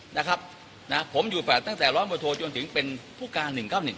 นะครับนะครับผมอยู่แฝดตั้งแต่ร้อนบทโทนจนถึงเป็นผู้การ๑๙๑